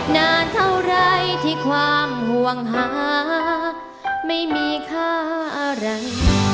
นานเท่าไรที่ความห่วงหาไม่มีค่าอะไร